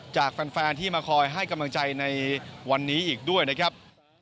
จากแฟนที่มาคอยให้กำลังใจในวันนี้อีกด้วยนะครับ